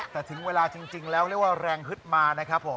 แต่ถึงเวลาจริงแล้วเรียกว่าแรงฮึดมานะครับผม